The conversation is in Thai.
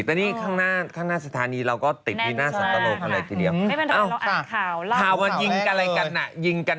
แต่นี่ข้างหน้าสถานีเราก็ติดวินาสันตะโลคำแรกทีเดียวกัน